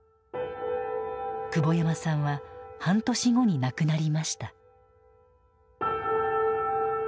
久保山さんは半年後に亡くなりました。